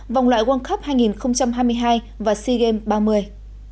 vòng loại world cup hai nghìn hai mươi hai và sea games ba mươi